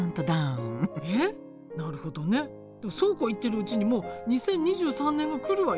そうこう言ってるうちにもう２０２３年が来るわよ。